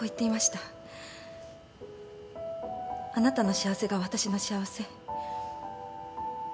あなたの幸せが私の幸せ。